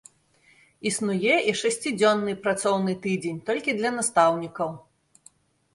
Існуе і шасцідзённы працоўны тыдзень, толькі для настаўнікаў.